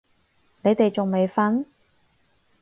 你哋仲未瞓？